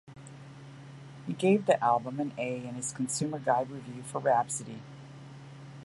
He gave the album an "A" in his consumer guide review for Rhapsody.